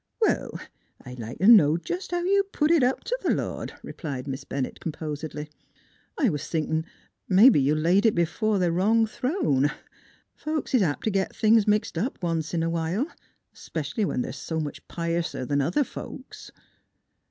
" Well, I'd like t' know jest how you put it up t 1 th' Lord," replied Miss Bennett composedly. NEIGHBORS 23 " I was thinkin', mebbe you laid it b'fore th' wrong throne. Folks is apt t' git things mixed once in a while, 'specially when they're s' much piouser 'an other folks."